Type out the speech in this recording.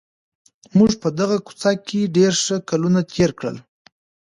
موږ په دغه کوڅې کي ډېر ښه کلونه تېر کړل.